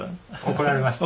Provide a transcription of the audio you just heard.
怒られました？